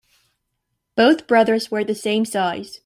Both brothers wear the same size.